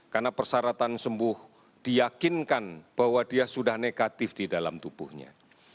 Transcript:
karena persyaratan sembuh diakinkan bahwa dia sudah negatif di dalam tubuhnya